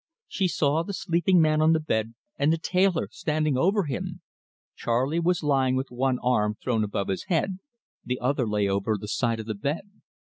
She saw the sleeping man on the bed, and the tailor standing over him. Charley was lying with one arm thrown above his head; the other lay over the side of the bed.